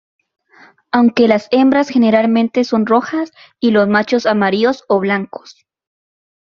Aunque las hembras generalmente son rojas y los machos amarillos o blancos.